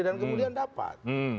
dan kemudian dapat